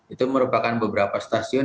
itu merupakan beberapa stasiun